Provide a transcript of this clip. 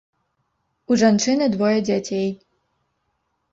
У жанчыны двое дзяцей.